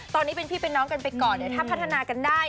ตอนนี้เป็นพี่เป็นน้องกันไปก่อนเดี๋ยวถ้าพัฒนากันได้